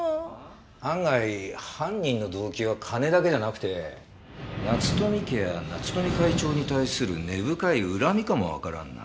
案外犯人の動機は金だけじゃなくて夏富家や夏富会長に対する根深い恨みかもわからんな。